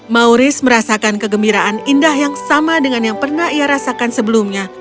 mauris merasakan kegembiraan indah yang sama dengan yang pernah ia rasakan sebelumnya